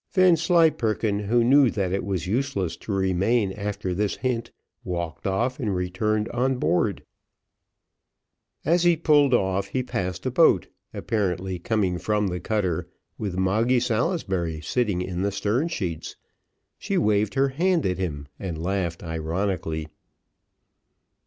Vanslyperken, who knew that it was useless to remain after this hint, walked off and returned on board. As he pulled off, he passed a boat, apparently coming from the cutter, with Moggy Salisbury sitting in the stern sheets. She waved her hand at him, and laughed ironically.